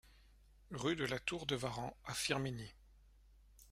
Rue de la Tour de Varan à Firminy